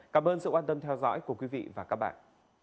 cảm ơn các bạn đã theo dõi và hẹn gặp lại